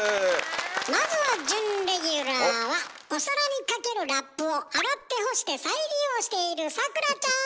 まずは準レギュラーはお皿にかけるラップを洗って干して再利用している咲楽ちゃん！